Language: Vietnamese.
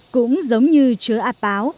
cũng giống như chớ ảp báo